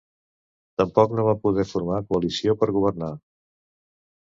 Tampoc no va poder formar coalició per governar.